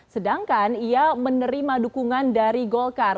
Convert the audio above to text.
sedangkan ia menerima dukungan dari golkar